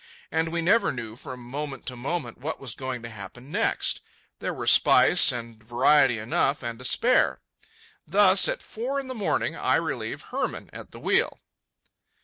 And we never knew, from moment to moment, what was going to happen next. There were spice and variety enough and to spare. Thus, at four in the morning, I relieve Hermann at the wheel.